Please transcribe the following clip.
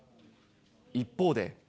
一方で。